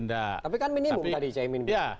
tapi kan minimum tadi